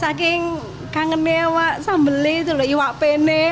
saking kangennya wak sambelnya itu loh iwak pene